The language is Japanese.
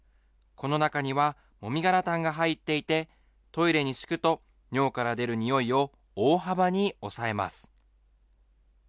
この中にはもみ殻炭が入っていて、トイレに敷くと、尿から出る臭いを大幅に抑えます。